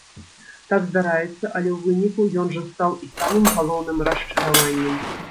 Так здараецца, але ў выніку ён жа стаў і самым галоўным расчараваннем.